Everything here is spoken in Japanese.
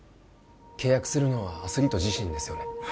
契約するのはアスリート自身ですよね